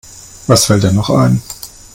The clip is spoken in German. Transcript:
Was fällt dir noch ein?